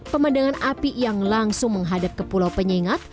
pemandangan api yang langsung menghadap ke pulau penyengat